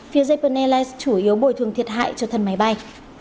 phía japan airlines chủ yếu bồi thường thiệt hại cho thân máy bay